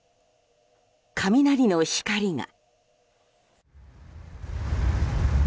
雷の光が。